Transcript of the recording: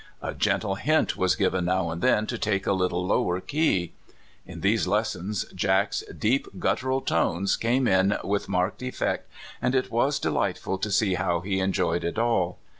A gentle hint was given now and then to take a little lower key. In these lessons Jack's deep guttural tones came in with marked effect, and it was de lightful to see how he enjoyed it all.